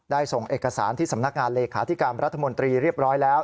ส่งเอกสารที่สำนักงานเลขาธิการรัฐมนตรีเรียบร้อยแล้ว